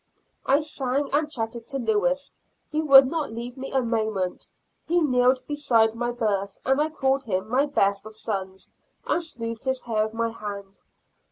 I sang and chatted to Lewis; he would not leave me a moment; he kneeled beside my berth, and I called him my best of sons, and smoothed his hair with my hand.